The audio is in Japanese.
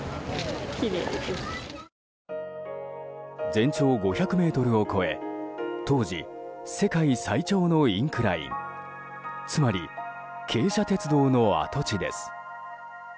全長５００ｍを超え当時、世界最長のインクラインつまり、傾斜鉄道の跡地です。